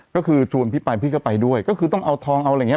ก็คือชวนพี่ไปพี่ก็ไปด้วยก็คือต้องเอาทองเอาอะไรอย่างเง